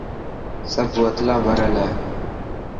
سب بوتلنا ڀريل هي.